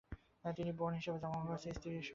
তিনি বোন হিসেবে জন্মগ্রহণ করেছেন, স্ত্রী হিসেবে নয়।